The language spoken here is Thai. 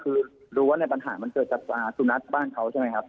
คือรู้ว่าในปัญหามันเกิดจากสุนัขบ้านเขาใช่ไหมครับ